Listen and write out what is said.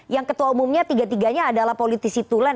yang ketua umumnya tiga tiganya adalah politisi tulen